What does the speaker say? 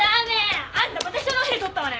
あんたまた人のお昼取ったわね！